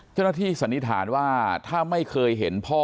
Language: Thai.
เจ้าหน้าที่สันนิษฐานว่าถ้าไม่เคยเห็นพ่อ